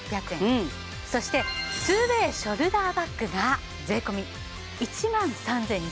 そして２ＷＡＹショルダーバッグが税込１万３２００円。